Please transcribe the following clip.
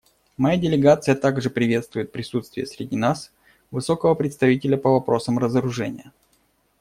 Моя делегация также приветствует присутствие среди нас сегодня Высокого представителя по вопросам разоружения.